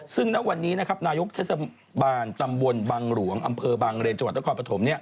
ซึ่งวันนี้นายกเทศบาลตำบลบังหลวงอำเภอบังเรนจังหวัดต้นความปฐม